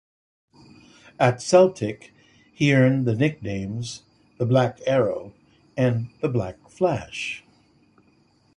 At Celtic he earned the nicknames "The Black Arrow" and "The Black Flash".